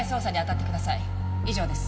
以上です。